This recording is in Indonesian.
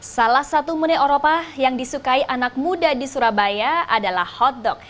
salah satu menu eropa yang disukai anak muda di surabaya adalah hotdog